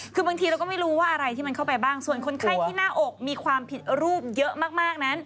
คือบางทีเราก็ไม่รู้ว่าอะไรที่มันเข้าไปบ้างส่วนคนไข้ที่หน้าอกมีความผิดรูปเยอะมากนั้น